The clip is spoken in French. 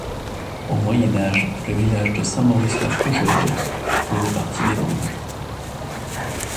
Au Moyen Âge, le village de Saint-Maurice-la-Fougereuse faisait partie des Mauges.